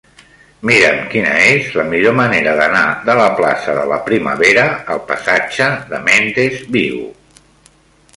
Mira'm quina és la millor manera d'anar de la plaça de la Primavera al passatge de Méndez Vigo.